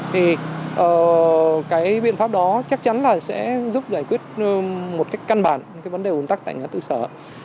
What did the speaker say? thì cái biện pháp đó chắc chắn là sẽ giúp giải quyết một cách căn bản vấn đề uống tắc tại ngã tư sở